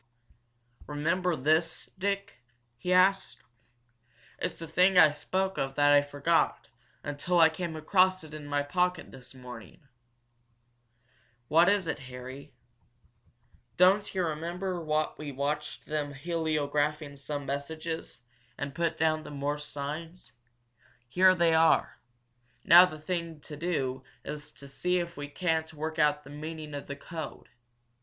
"Remember this, Dick?" he asked. "It's the thing I spoke of that I forgot until I came across it in my pocket this morning." "What is it, Harry?" "Don't you remember what we watched them heliographing some messages, and put down the Morse signs? Here they are. Now the thing to do is to see if we can't work out the meaning of the code.